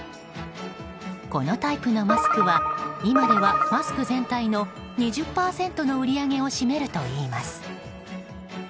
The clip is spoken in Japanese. このタイプのマスクは今ではマスク全体の２０％の売り上げを占めるといいます。